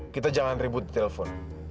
kita jangan ribut telepon